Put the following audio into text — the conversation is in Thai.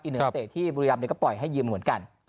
อิเหนือเตะที่บุรีรัมดิก็ปล่อยให้ยิมเหมือนกัน